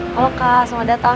halo kak selamat datang